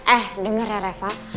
eh denger ya reva